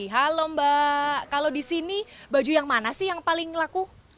halo mbak kalau di sini baju yang mana sih yang paling laku